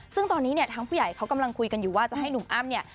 ซึ่งตอนนี้เนี่ยทั้งผู้ใหญ่เขากำลังคุยกันอยู่ว่าจะให้หนุ่มอ้ำเนี่ย